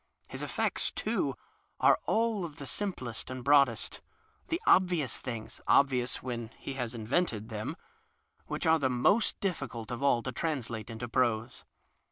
His effects, too, are all of the simplest and broadest— ^the obxious things (obvious when he has invented them) whicli arc tiie most 76 CROCK difficult of all to translate into prose.